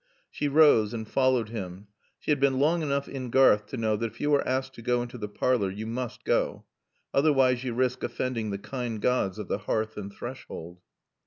She rose and followed him. She had been long enough in Garth to know that if you are asked to go into the parlor you must go. Otherwise you risk offending the kind gods of the hearth and threshold.